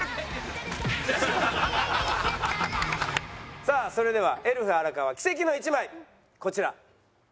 さあそれではエルフ荒川奇跡の１枚こちら。